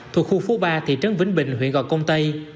thuộc khu phố ba thị trấn vĩnh bình huyện gò công tây